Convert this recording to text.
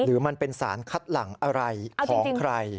หรือมันเป็นสารคัดหลังอะไรของใคร